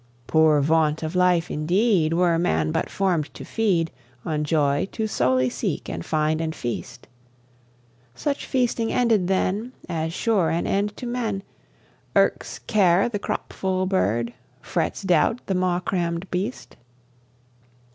Poor vaunt of life indeed, Were man but formed to feed On joy, to solely seek and find and feast: Such feasting ended, then As sure an end to men; Irks care the crop full bird? Frets doubt the maw cramm'd beast?